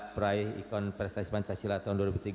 peraik ikon prestasi pancasila tahun dua ribu tiga